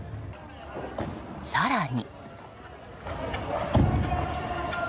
更に。